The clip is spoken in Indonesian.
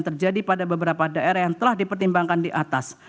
terjadi pada beberapa daerah yang telah dipertimbangkan di atas